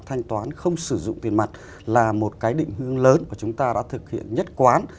thanh toán không sử dụng tiền mặt là một cái định hướng lớn mà chúng ta đã thực hiện nhất quán